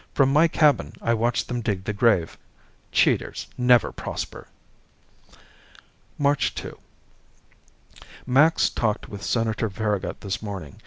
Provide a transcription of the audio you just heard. From my cabin, I watched them dig the grave. Cheaters never prosper. March 2 Max talked with Senator Farragut this morning.